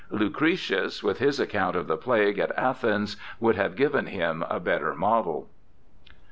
Lucretius with his account of the plague at Athens would have given him a better model.